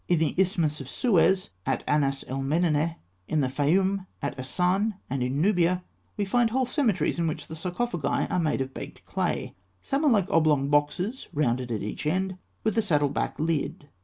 In the Isthmus of Suez, at Ahnas el Medineh, in the Fayûm, at Asûan, and in Nubia, we find whole cemeteries in which the sarcophagi are made of baked clay. Some are like oblong boxes rounded at each end, with a saddle back lid.